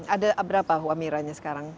ada berapa wamira nya sekarang